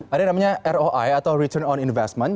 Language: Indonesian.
ada yang namanya roi atau return on investment